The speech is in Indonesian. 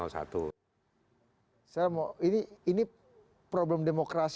saya mau ini problem demokrasi